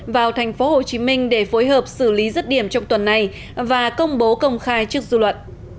vào tp hcm để phối hợp xử lý rứt điểm trong tuần này và công bố công khai trước dư luận